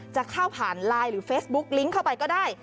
จะเข้าผ่านไลน์หรือเฟซบุ๊กลิงก์เข้าไปก็ได้